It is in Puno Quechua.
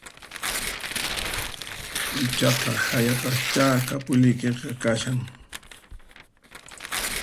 Ichaqa hayapaschá kapuliykiqa kashan